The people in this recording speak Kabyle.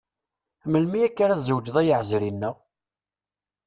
Melmi akka ara tzewǧeḍ ay aɛezri-nneɣ?